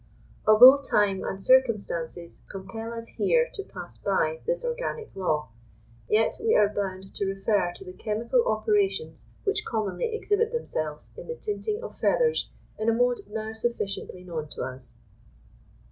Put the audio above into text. Although time and circumstances compel us here to pass by this organic law, yet we are bound to refer to the chemical operations which commonly exhibit themselves in the tinting of feathers in a mode now sufficiently known to us.